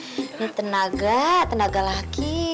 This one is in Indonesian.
ini tenaga tenaga laki